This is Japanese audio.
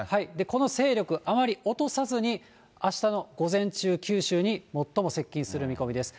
この勢力、あまり落とさずに、あしたの午前中、九州に最も接近する見込みです。